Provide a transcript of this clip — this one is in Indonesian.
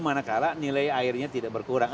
manakala nilai airnya tidak berkurang